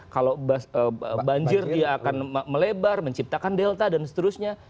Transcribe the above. kalau banjir dia akan melebar menciptakan delta dan seterusnya